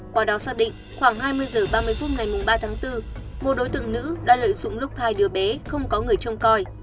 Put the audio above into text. qua đó xác định khoảng hai mươi h ba mươi phút ngày ba tháng bốn một đối tượng nữ đã lợi dụng lúc hai đứa bé không có người trông coi